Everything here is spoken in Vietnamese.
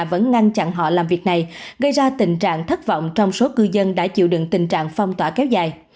vẫn ngăn chặn họ làm việc này gây ra tình trạng thất vọng trong số cư dân đã chịu đựng tình trạng phong tỏa kéo dài